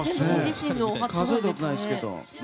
数えたことないですが。